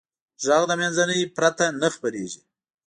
غږ د منځنۍ پرته نه خپرېږي.